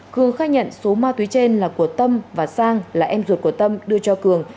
cường khai nhận số ma túy trên là của tâm và sang là em ruột của tâm đưa cho cường